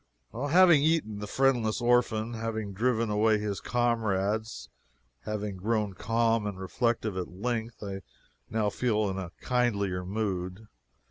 Having eaten the friendless orphan having driven away his comrades having grown calm and reflective at length I now feel in a kindlier mood.